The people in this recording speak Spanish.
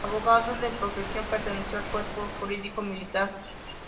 Abogado de profesión, perteneció al Cuerpo Jurídico Militar.